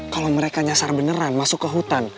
kalau mereka nyasar beneran masuk ke hutan